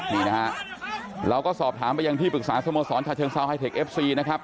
นี่นะฮะเราก็สอบถามไปยังที่ปรึกษาสโมสรชาเชิงเซาไฮเทคเอฟซีนะครับ